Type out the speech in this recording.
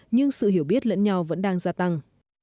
nhưng sự hiểu biết lẫn nhau vẫn đang gia tăng